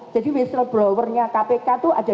jadi whistleblower nya kpk itu ada